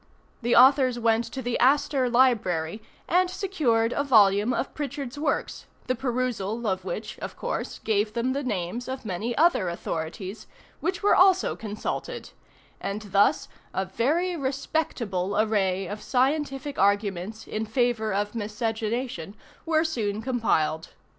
The authors went to the Astor Library and secured a volume of Prichard's works, the perusal of which of course gave them the names of many other authorities, which were also consulted; and thus a very respectable array of scientific arguments in favor of Miscegenation were soon compiled.